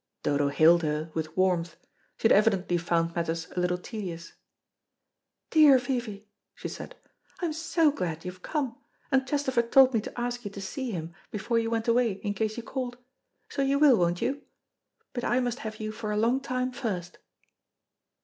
Dodo hailed her with warmth; she had evidently found matters a little tedious. "Dear Vivy," she said, "I'm so glad you've come; and Chesterford told me to ask you to see him, before you went away, in case you called. So you will, won't you? But I must have you for a long time first."